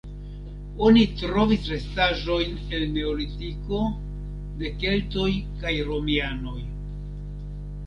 Oni trovis restaĵojn el neolitiko, de keltoj kaj romianoj.